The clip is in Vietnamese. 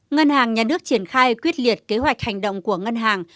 ngân hàng nhà nước triển khai quyết liệt kế hoạch hành động của ngân hàng